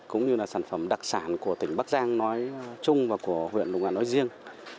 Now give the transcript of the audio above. cũng như là sản phẩm đặc sản của tỉnh bắc giang nói chung và của huyện lục ngạn nói riêng